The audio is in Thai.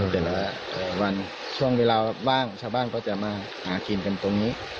แต่ละวันช่วงเวลาว่างชาวบ้านก็จะมาหากินกันตรงนี้